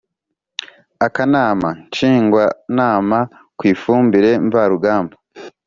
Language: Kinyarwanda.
akanama Ngishwanama ku ifumbire mvaruganda